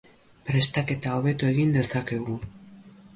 Prestaketa hobeto egin dezakegu.